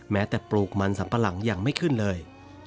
แม้แต่ปลูกมันสัมปะหลังยังไม่ขึ้นเลย